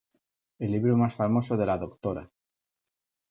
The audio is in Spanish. El libro más famoso de la Dra.